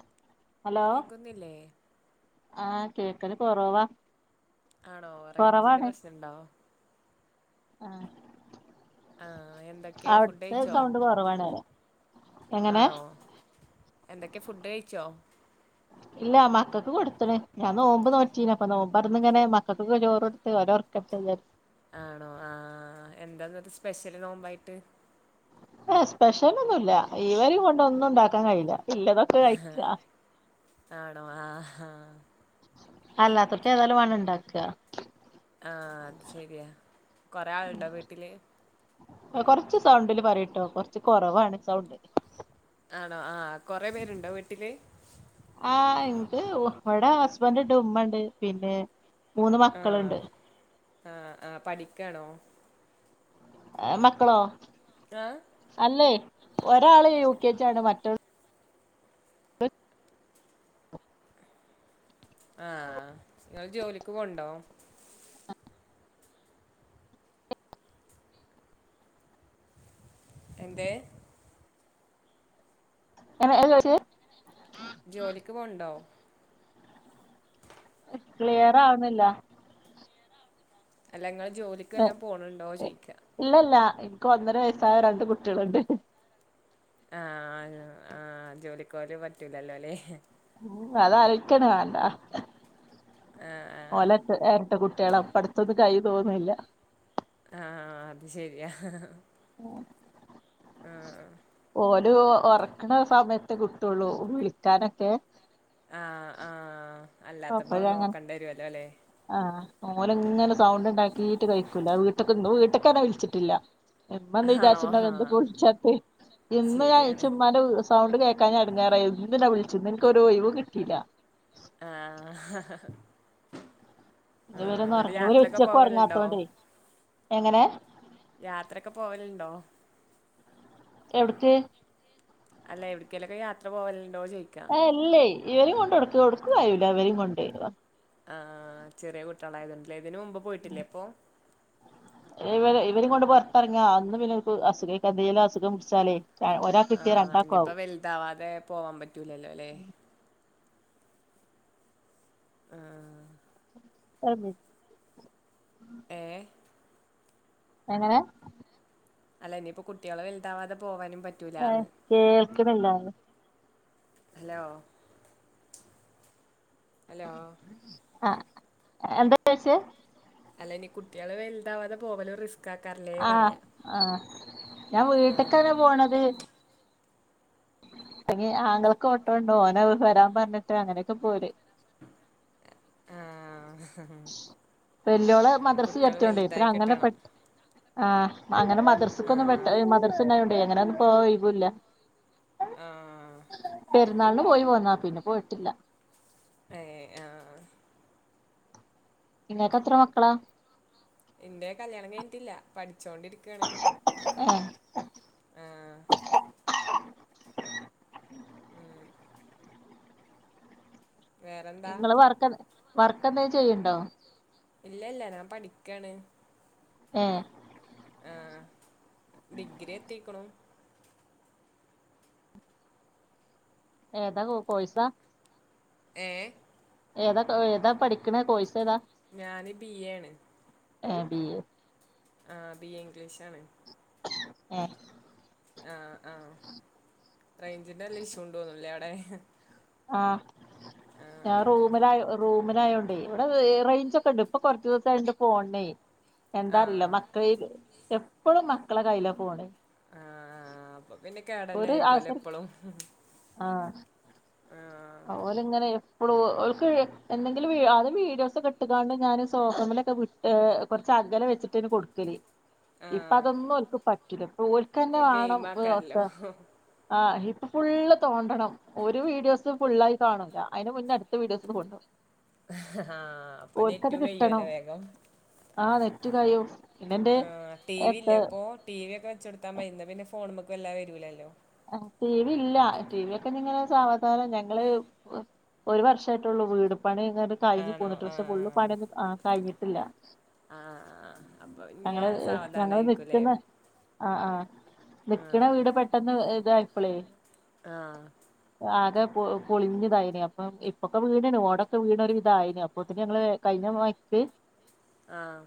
അ കേക്കുന്നില്ലേ ആഹകേക്കല് കൊറവ ആണോ റയ്ഞ്ചിന്റെ പ്രശ്ണംണ്ടോ ആ ആ എന്തൊക്കെ ഫുഡ് അവിടുത്തെ കഴിച്ചോ സൗണ്ട് കുറവാണ് റ്യാ എങ്ങനെ ആണോ എന്തൊക്കെ ഫുഡ് കഴിച്ചോ ഇല്ല മക്കക്ക് കൊടുത്തണ് ഞാൻ നോമ്പ് നോറ്റിന അപ്പൊ നോമ്പ്ർന്ന് ഇങ്ങനെ മക്കക്ക് ഒക്കെ ചോറ് കൊടുത്ത് ഒരർക്ക്ത്ത്ന്ന് ആണോ ആ എന്താന്നത് സ്പെഷ്യല് നോമ്പായിട്ട് എ സ്പെഷ്യൽ ഒന്നുല്ല ഇവരിം കൊണ്ട് ഒന്നും ഉണ്ടാക്കാൻ കഴിയില്ല ഇല്ലതൊക്കെ ഹാ കഴിക്കാ ആണോ ആഹ് ഹാ അല്ലാത്തൊൽക് ഏതായാലും വാണം ഇണ്ടാക്ക ആ അത് ശരിയാ കൊറെേ ആളുണ്ടോ വീട്ടില് കൊറച്ച് സൗണ്ടില് പറിട്ടോ കൊറച്ച് കുറവാണ് സൗണ്ട് ആണോ ആ കൊറെ പേരുണ്ടോ വീട്ടില് ആ ഇണ്ട് ഇവടെ ഹസ്ബൻഡ്ണ്ട് ഉമ്മണ്ട് പിന്നെ മൂന്ന് ആ മക്കള്ണ്ട് ആ ആ പഠിക്കാണോ ഏഹ് മക്കളോ ആ അല്ലേ ഒരാള് യു കെ ജി ആണ് മറ്റോൾ ആ ഇങ്ങള് ജോലിക്ക് പോവ്ണ്ടോ എന്തേ എ ആയെ അത് ജോലിക്ക് പോന്ണ്ടോ ക്ലിയറാവ്ന്നില്ല അല്ല ഇങ്ങള് ജോലിക്ക് വല്ലോ പോണണ്ടൊ ചേയ്ക്ക ഇല്ലല്ല എനിക്ക് ഒന്നര വയസ്സായ രണ്ട് കുട്യള്ണ്ട് ആ ആയൊ ആ ജോലിക്കോല് പറ്റൂലല്ലോലെ ഉം അതാലൊയ്ക്കന്നെ വേണല്ല ആഹ് ഓലട്ട് എരട്ട കുട്യാള ഇപ്പടുത്തത് കയ്യും തോന്ന്ണ്ല്ല ആ അത് ശെരിയാ ഏ ആഹ് ആഹ് ഓലെ ഓ ഒറക്ക്ണ സമയത്ത് കിട്ടൊള്ളൂ വിളിക്കാനൊക്കെ ആഹ് ആഹ് അപ്പോ അല്ലാത്തപ്പോ യങ്ങനെ നോക്കണ്ടി വരുവല്ലോ ല്ലേ ആഹ് ഓല്ങ്ങനെ സൗണ്ട്ണ്ടാക്കീട്ട് കഴിക്കൂല വീട്ട്ക്കെ ഇങ്ങ്ള് വീ ട്ട്ക്ക് വിളിച്ചിട്ടില്ല ഇമ്മന്ന് ആണോ വിജാരിച്ചിണ്ടാവെ ആഹ് എന്തപ്പോള് ച്ചാത്തെ ഇന്ന് കായി ശരിയാണ് ച്ചുമ്മാൻ്റെ സൗണ്ട് കേ ക്കാഞ്ഞ എടങ്ങേറാ [unintelligible] വിളിച്ച്ന്നെ ഇൻക്കൊരു ഒഴ് വുംകിട്ടില്ല ആ ഇവരൊന്ന് ഉറങ്ങീണ് ഇവര് ഉച്ചക്ക് പോവലുണ്ടോ ഒർങ്ങാത്തൊണ്ടേ എങ്ങനെ യാത്രക്കെ പോവല്ണ്ടോ എവ്ട്ക്ക് അല്ല എവിടക്കേലൊക്കെ യാത്ര പോവല് ആ അല്ലേ ഇവരിം കൊണ്ട് ഒട്ക്ക് ഒട്ക്കുകയ്യൂല ഇവരിം കൊണ്ട് ആ ചെറിയ കുട്യാളായതോണ്ട്ലെ ഇതിന് മുമ്പ് പോയിട്ടില്ലേ അപ്പൊ ഇവരെ ഇവരിം കൊണ്ട് പൊർത്തറങ്ങിയാ അന്ന് പിന്നെവർക്ക് അസുഖേക്കാ ന്തേലും അസുഖം പിട്ച്ചാലേ ആ ഇനിയിപ്പോ വൽതാവാതെ പോവാൻ പറ്റൂലല്ലോ ലെ ആ ആമീൻ ഏ എങ്ങനെ അല്ല ഇനിയിപ്പോ കുട്ടികള് വലുതാവാതെ പോവാനും ആ പറ്റൂലാന്ന് കേൾക്കണില്ലാന്ന് ഹലോ ഹലോ ആ എന്താ ചോയിച്ചേ അല്ല ഇനി കുട്ടികള് വലുതാവാതെ പോവല് റിസ്ക് ആക്കാറില്ലേ ആ പറയാ ആ ഞാൻ ആഹ് വീട്ടക്കന്നെ പോണത് അല്ലെ ആങ്കൾക്ക് ഓട്ടണ്ടോ ഓന് അവ വരാൻ പറഞ്ഞിട്ട് അങ്ങനെയൊക്കെ പോരെ ആ വെല്ലോള് മദ്രസെ കുട്ടികള് ചേർത്തോണ്ട് വലുതായി ഇപ്പഴ് അങ്ങനെ കിട്ടണം പെട്ട ആ അങ്ങനെ മദ്രസക്കൊന്നും ആഹ് പെട്ട് മദ്രസയുണ്ടായൊണ്ട് അങ്ങനെ പ്പൊ വൈബൂല്ലാ ആ ന്നാളൊന്നു പോയി പോന്നതാ പിന്നെ പോയിട്ടില്ല ഏയ് ആ ഇങ്ങെക്ക് എത്ര മക്കളാ എന്റെ കല്യാണം കഴിഞ്ഞിട്ടില്ല പഠി ച്ചോണ്ടിരിക്കയാണ് ഏഹ് വേറെന്താ ഇങ്ങള് പറക്കാന്ന് വർക്ക് എന്തേലും ചെയ്യണ്ടോ ഇല്ല ഇല്ല ഞാൻ പഠിക്കാണ് ആ ആ ഡിഗ്രി എത്തിക്കണു ഏതാ കോഴ്സാ ഏ ഏതാ പഠിക്കണ കോഴ്സ് ഏതാ ഞാന് ബി എ ആണ് ആ ബി എ ആ ബി എ ഇംഗ്ലീഷാണ് ആ ആ ആ റേഞ്ചിന്റെ വല്ല ഇഷ്യൂണ്ടോന്നല്ലേ അവിടെ ഹേം ആ ഞാൻ റൂമിലായൊ റൂമിലായോണ്ടെ ഇവിടെ റേഞ്ച് ഒക്കെണ്ട് ഇപ്പൊ കൊറചൂസണ്ട് ഫോണ്നെ ആ എന്താറില്ല മക്കളെൽ എ ഇപ്പോളും മക്കളെ കൈയില പോണ് [unintelligible] ഒരു ആയിരിക്കും അല്ലേ അവസരം എപ്പളും ആഹ് ആ ആ ഓലെങ്ങനെ എപ് ഇപ്പഴും ഓൽക്ക് എന്തെങ്കിലും വീ അത് വീഡിയോസൊക്കെ ഇട്ടുകാണും ഞാന് സോസമ്മിലൊക്കെ വിട്ട് കൊറച്ച് അകലെ വെച്ചിട്ടാന് കൊടുക്കല്. ആ ഇപ്പ അതൊന്നും ഒക്ക് പ [unintelligible] ഓൽക്ക് തന്നെ ഇപ്പൊ ഗെയിം വേണം ആക്കാറല്ലോ [unintelligible] ആ ആഹ് [unintelligible] ഫുള്ള് തോണ്ടണം ഒരു വീഡിയോസ് ഫുള്ളായി കാണൂല്ല അതിന് മുന്നേ അടുത്ത വീഡിയോസ് [unintelligible] ആഹ് അപ്പ ഓൽക്കത് നെറ്റും കിട്ടണം കഴിയുവല്ലോ വേഗം ആഹ് നെറ്റ് കയ്യും പിന്നെന്റെ ആഹ് ടി വി എത്ത ഇല്ലേ അപ്പൊ ടി വി ഒക്കെ [unintelligible] പിന്നെ ഫോൺമക്കല്ലാ വരൂലല്ലോ ടി വി ഇല്ല ടി വി ഒക്കെ പിന്നിങ്ങനെ സാവധാനം ഞങ്ങള് ഒരു വർഷമായിട്ടുള്ളൂ വീട് പണിങ്ങാട്ട് കഴിഞ്ഞ് ആണോ പോന്നു ആ ഡ്രസ്സ്‌ ഫുള്ള് പണീന്നും ആ കഴിഞ്ഞി ഇല്ല ആ ആ അപ്പൊ ഇനി ആ ഞങ്ങള് ഞങ്ങള് സാവധാനായിരിക്കുംല്ലേ നിക്ക്ന്ന ആ ആ ആ നിക്കണ വീട് പെട്ട [unintelligible] ഇതായപ്പളേ അ ആക പൊളിഞ്ഞതായിന് അപ്പം ഇപ്പൊക്കെ വീട് ഓടൊക്കെ വീണ് ഒരുവിധായിന് അപ്പോത്തേക്ക് ഞങ്ങള് കഴിഞ്ഞ [unintelligible] ആഹ്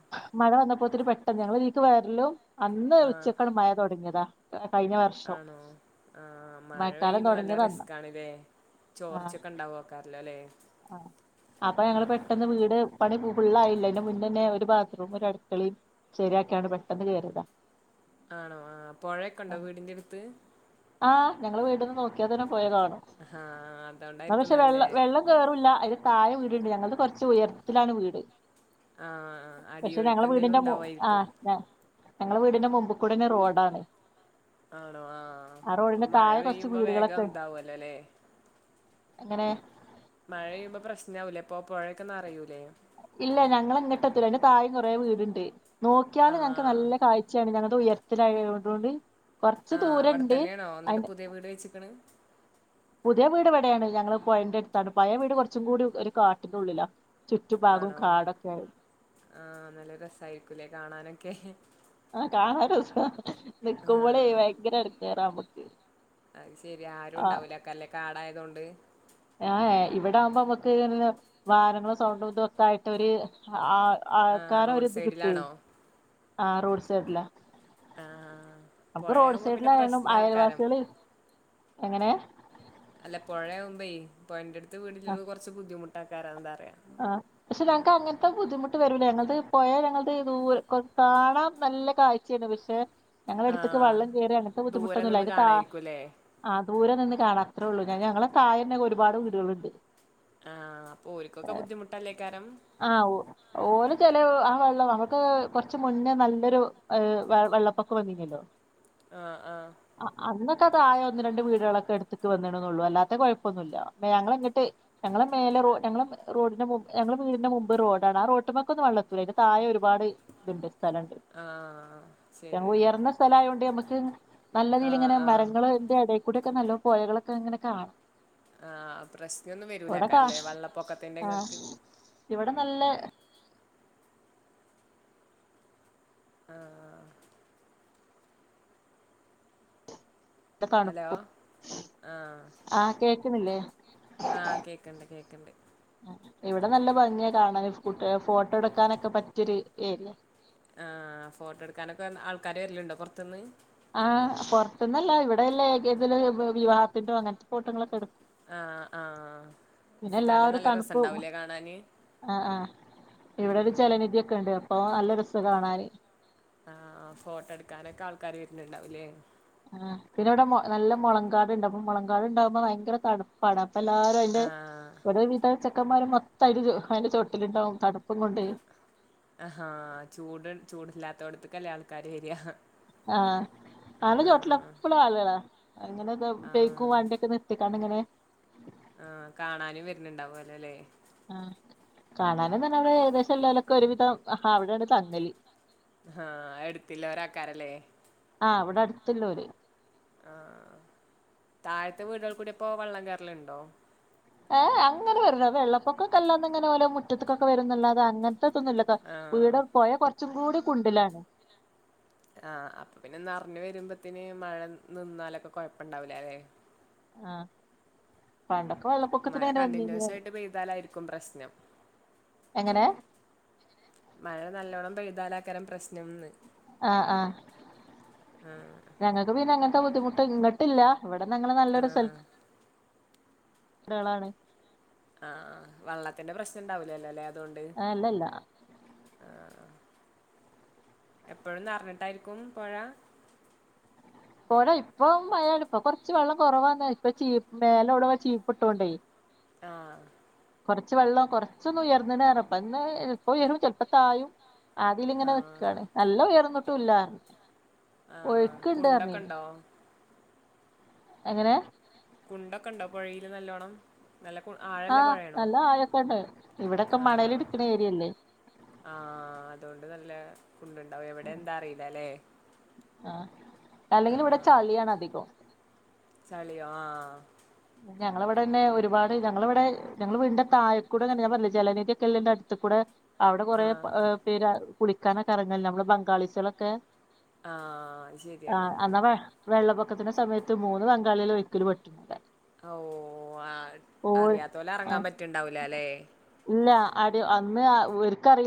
ഇപ്പ ഒത്തിരി പെട്ടെന്ന് ഞങ്ങള് ഇതീക്ക് വരലും അന്ന് ആ ഉച്ചക്കാണ്ട് മഴ തൊടങ്ങിയതാ കഴിഞ്ഞ വർഷം ആണോ ആഹ് മഴ മഴക്കാലം പെയ്യുമ്പ നല്ല തൊടങ്ങിയത് അന്നാ റിസ്കാണ്ലേ ചോർച്ചൊക്കെ ഉണ്ടാവക്കാരംല്ലേ ല്ലേ ആ അപ്പൊ ഞങ്ങള് പെട്ടന്ന് വീട് പണി ഫുള്ളായില്ല അയ്ന്റെ മുന്നെന്നെ ഒരു ബാത്റൂം ഒരു അടുക്കളേം ശരിയാക്കിയാണ് പെട്ടെന്ന് കേറിയതാ ആണോ ആഹ് പൊഴൊക്കെണ്ടോ വീടിന്റെ അടുത്ത് ആ ഞങ്ങള് വീടുന്ന് നോക്കിയാ തന്നെ പൊയ കാണും ആഹ് അതോണ്ടായിരിക്കുന്നല്ലേ ആ അതിന് താഴെ വീട്ണ്ട് ഞങ്ങൾക്ക് കൊറച്ച് ഉയരത്തിലാണ് വീട് ആഹ് ആഹ് പക്ഷെ അടിയൊഴുക്ക് എന്തേലും ഉണ്ടാവായിരിക്കും ഞങ്ങള വീടിന്റെ മുമ്പിക്കൂടി തന്നെ റോഡാണ് ആണോ ആഹ് ആ അപ്പൊ റോഡിന്റെ മഴ താഴെ കൊറച്ച് പെയ്യുമ്പോ വീടുകളൊക്കെ വേഗം ഉണ്ട്. ഇതാവല്ലോല്ലേ അങ്ങനെ മഴ പെയുമ്പോ പ്രശ്നവൂലെ അപ്പൊ പുഴൊക്ക നിറയു ഇല്ല ഞങ്ങള [unintelligible] അയിന്റെ താഴെ കുറേ വീടുണ്ട് നോക്കിയാല് ഞങ്ങൾക്ക് ആഹ് നല്ല കാഴ്ചയാണ് ഞങ്ങ [unintelligible] ഉയരത്തിലായതുകൊണ്ട് കൊറച്ച് ആഹ് അവിടെ ദൂരണ്ട് തന്നെയാണോ എന്നിട്ട് അതിന്റെ പുതിയ വീട് വെച്ചിക്ക്ണ് പുതിയ വീട് ഇവിടെയാണ് ഞങ്ങള് പുഴെന്റെ അടുത്താണ് പഴയ വീട് കുറച്ചും കൂടി ഒരു കാട്ടിന്റെ ഉള്ളിലാ ചുറ്റുഭാഗവും ആണോ കാടൊക്കെ ആയി ആഹ് നല്ല രസായിരിക്കൂല്ലേ കാണാനൊക്കെ ആഹ് കാണാൻ രസാ ആഹ് നിക്കുമ്പളേ ഭയങ്കര എടങ്ങേറാ നമ്മക്ക് അത് ശെരി ആരും ഉണ്ടാവൂലക്കല്ലേ കാടായ ഇതൊണ്ട് ആ ഇവിടെ ആവുമ്പോ നമുക്ക് വാനങ്ങളും സൗണ്ടും ഇതും ഒക്കെ ആയിട്ട് ഒരു ആ ആ ആൾക്കാര റോഡ് ഒരിത് കിട്ടുവേ സൈഡിലാണോ ആ റോഡ് സൈഡില ആ നമക്ക് റോഡ് പുഴയാകുമ്പോ പിന്നെ സൈഡിലയാലും പ്രശ്നാക്കാരം ആയൽവാസികള് എങ്ങനെ അല്ല പുഴയാവുമ്പെ പൊഴെന്റാട് ആ [unintelligible] കുറച് ബുദ്ധിമു [unintelligible] ആ പക്ഷെ ഞങ്ങക്ക് അങ്ങനത്തെ ബുദ്ധിമുട്ട് വരൂല ഞങ്ങത് പോയാൽ ഞങ്ങളത് ദൂരെ കൊറ കാണാൻ നല്ല കാഴ്ചയാണ് പക്ഷെ ഞങ്ങള ആ അടുത്തേക്ക് വെള്ളം കയറി അങ്ങനത്തെ ദൂരെ ബുദ്ധിമുട്ടൊന്നുമില്ല നിന്ന് അതിന് ത കാണായിരിക്കുംല്ലേ ആ ദൂരെ നിന്ന് കാണാ അത്രേള്ളൂ ഞാൻ ഞങ്ങളെ താഴന്നെ ഒരുപാട് വീടുകളുണ്ട് ആഹ് ഇപ്പോ ഓരിക്കൊക്കെ ബുദ്ധിമുട്ടല്ലേ കാരം ആ ഓ ഓലെ ചില ആ വെള്ളം അവർക്ക് കൊറച്ച് മുന്നേ നല്ലൊരു വെള്ളപ്പൊക്ക വന്നിനല്ലോ ആഹ് ആഹ് [unintelligible] തായ ഒന്ന് രണ്ട് വീടുകളൊക്കെ എടുത്തക്ക് വന്നണന്നള്ളൂ അല്ലാത്ത കുഴപ്പൊന്നുമില്ല ഞങ്ങളിങ്ങിട്ട് ഞങ്ങളെ മേല റോ ഞങ്ങള് റോഡിന്റെ മോ ഞങ്ങള് വീടിന്റെ മുമ്പെ റോഡാണ് ആ റോട്ട്മെക്കെ ഒന്നും വെള്ളത്ത്ല്ല അന്റെ തായെ ഒരുപാട് ഇതുണ്ട് സ്ഥലണ്ട് ആ ശരിയാ ഉയർന്ന സ്ഥല ആയതോണ്ട് നമക്ക് നല്ല ആ രീതിൽ ഇങ്ങനെ ആ മരങ്ങള് എന്റെ ഇടയിൽക്കൂടെ ഒക്കെ നല്ലോ പുഴകളൊക്കെ ഇങ്ങനെ കാണാം ആഹ് പ്രശ്നൊന്നും ഇവിടെ കാ വരൂലാക്കാരും ല്ലേ വെള്ളപ്പൊക്കത്തിന്റെ ആ ഇങ്ങക്ക് ഇവിടെ നല്ല ആഹ് ഹലോ തണുപ്പും ആ ആഹ കേ ന്നില്ലേ ആ കേക്കണ്ട് കേക്കണ്ട് ഇവിടെ നല്ല ഭംഗിയാ കാണാൻ കുട്ടിയൊ ഫോട്ടോ എടുക്കാനൊക്കെ പറ്റിയൊരു ഏരിയ ആഹ് ഫോട്ടെടുക്കാനൊക്കെ ആൾക്കാര് വരലിണ്ടോ പൊർതുന്ന് ആഹ് പൊറത്ത്ന്നല്ല ഇവിടെയൊള്ള [unintelligible] അങ്ങനെത്തെ പോട്ടങ്ങളെടുക്കും. ആ ആ സ്ഥലം എല്ലാവരും നല്ല തണുപ്പ് രസമുണ്ടാവുല്ലെ കാണാന്. ഇവടെ ഒരു ഉം ജനനിധിയൊക്കെ ഉണ്ട്. അപ് [unintelligible] നല്ല രസാ കാണാന്. ആ അ ഫോട്ടൊ എടുക്കാനൊക്ക ആൾക്കാര് വരണ്ടവൂലേ ആ പിന്നവിടെ മൊ നല്ല മൊളങ്കാട്ണ്ടപ്പം മുളങ്കാട്ണ്ടാവുമ്പോ ഭയങ്കര തണ്പ്പാണ് അ എല്ലാരു അയിന്റെ ആഹ് ഒരു വിധ ചെക്കന്മാരും മാ [unintelligible] അയിന്റെ ചോട്ടിലുണ്ടാവും തണുപ്പും കൊണ്ടേ. അഹാ ചൂട് ചൂടില്ലാത്തോട്ത്ത്ക്കല്ലേ ആൾക്കാര് വരിക ആ [unintelligible] ആഹ് ചോട്ടിലെപ്പളും ആള്കളാ. അങ്ങനേക്ക പേക്കും വണ്ടിയൊക്കെ നിർത്തിക്കാണങ്ങനെ. ആ കാണാനും വരണണ്ടാവുല്ലോല്ലേ ആ കാണാന് തന്നെ അവിടെ ഏകദേശം എല്ലേലൊക്കെ ഒരുവിധം ആഹ് അവിടെയാണ് തങ്ങല്. ആ എട്ത്തില്ല ഒരാക്കാരല്ലേ ചെല്ലൂര് ആ താഴത്തെ വീടുകൾ കൂടിയപ്പോ വള്ളം കേറലുണ്ടോ ഏ അങ്ങനെ വര്ണ വെള്ളപ്പൊക്കൊക്കെല്ലാന്നിങ്ങനെ പോലെ മുറ്റത്ത്ക്കൊക്കെ വരുന്നല്ലാതെ അങ്ങ ത്രക്കൊന്നുല്ലട്ടാ ആഹ് വീട് പോയാ കൊ ച്ചും കൂടി കുണ്ടിലാണ് ആ അപ്പൊ പിന്നെ നെറഞ്ഞു വരുമ്പഴ്ത്തേന് മഴ നിന്നാലക്ക കൊഴപ്പൊണ്ടാവൂല അല്ലെ ആ പണ്ടൊ മഴ കണ്ടിന്യൂസായിട്ട് പെയ്താലായിരിക്കും പ്രശ്നം എങ്ങനെ മഴ നല്ലോണം പെയ്താലക്കരം പ്രശ് ആ ആ ഞങ്ങക്ക് പിന്നെങ്ങ ബുദ്ധിമുട്ട് ഇങ്ങട്ടില്ല ഇവിടെ നങ്ങള് നല്ലൊരു സ്ഥല ആഹ് ടകളാണ് ആ ആ വള്ളത്തിന്റെ പ്രശ്നം ഉണ്ടാവൂലല്ലോ ല്ലെ തോണ്ട് അല്ലല്ല ആ ആ എപ്പഴും നറഞ്ഞിട്ടായിരിക്കും പൊഴ പൊഴ ഇപ്പൊ മഴാലിപ്പോ കൊറച്ച് വെള്ളം കുറവാന്നെ ഇപ്പചീ മേലൊഴുവൻ ചീപ്പ് ഇട്ടോണ്ടേ ആ കൊറച്ച് വെള്ളം കൊറച്ചൊന്നുയർന്ന നേരപ്പന്നെ എപ്പ ഉയരും ചെലപ്പ തായും ആദീല് ഇങ്ങനെ നിക്കാണ് നല്ല ഉയർന്നു ട്ടു ഇല്ലാറഞ്ഞ് ആ കുണ്ടൊക്കെ ണ്ടോ എങ്ങനെ കുണ്ടൊക്കെ ഇണ്ടോ പൊഴയില് നല്ലോണം നല്ല കു ആഴല്ല ആഹ് പുഴയാണോ നല്ല ആഴൊക്കിണ്ട് ഇവിടൊക്കെ മണല് ആഹ് എടുക്കണ ഏരിയല്ലേ അത് നല്ല കുണ്ടുണ്ടാവും എവിടെ എന്താറിയില്ലാലേ ആ അല്ലെങ്കിലും ഇവിടെ ആഹ് ചളിയാണ് അധികോം ചളിയോ ആഹ് ഞങ്ങള ഇവിടെ തന്നെ ഒരുപാട് ഞങ്ങളിവിടെ ഞങ്ങളെ വീടിന്റെ തായെക്കൂടെ തന്നെ ഞാൻ പറഞ്ഞില്ലേ ജലനിധിയൊക്കെ ഇള്ളേന്റെ അടുത്തു കൂടെ അവിടെ കൊറെ ആഹ് ഏഹ് പേരാ കുളിക്കാനൊക്കെ എറങ്ങല്ലേ നമ്മള് ബംഗാളിസുകളൊക്കെ ആഹ് അത് ശരിയാണ് ആഹ് അന്നാവെ വെള്ളപ്പൊ ക്കത്തിന്റെ സമയത്ത് മൂന്ന് ബംഗാളികള് ഒഴിക്കില് പെട്ടി ഓ ആ അറിയാത്തോല് എറങ്ങാൻ ആഹ് പറ്റിണ്ടാവൂല ല്ലെ ഇല്ല അടി അന്ന് ഇവർക്ക് അറിയി